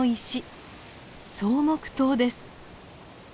「草木塔」です。